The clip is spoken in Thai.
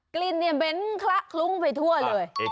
กลิ่นเนี่ยเบ้นคละคลุ้งไปทั่วเลย